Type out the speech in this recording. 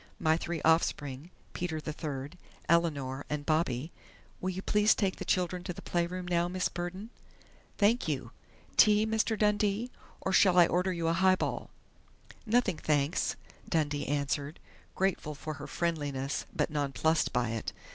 My three offspring Peter the third, Eleanor, and Bobby.... Will you please take the children to the playroom now, Miss Burden?... Thank you!... Tea, Mr. Dundee? Or shall I order you a highball?" "Nothing, thanks," Dundee answered, grateful for her friendliness but nonplussed by it.